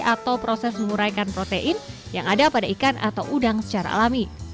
atau proses menguraikan protein yang ada pada ikan atau udang secara alami